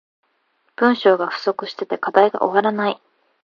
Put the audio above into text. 文章が不足してて課題が終わらない